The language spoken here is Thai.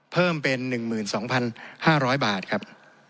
เพิ่มเป็น๑๒๕๐๐บาทครับ